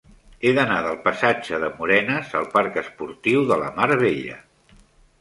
He d'anar del passatge de Morenes al parc Esportiu de la Mar Bella.